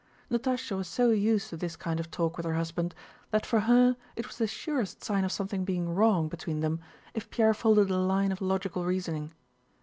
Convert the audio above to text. Natásha was so used to this kind of talk with her husband that for her it was the surest sign of something being wrong between them if Pierre followed a line of logical reasoning.